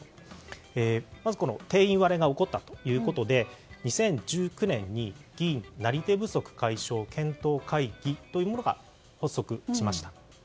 まず、定員割れが起こったということで２０１９年に議員なり手不足解消検討会議が発足しました。